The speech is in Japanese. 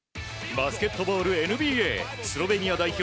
バスケットボールＮＢＡスロベニア代表